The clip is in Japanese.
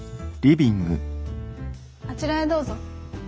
あちらへどうぞ。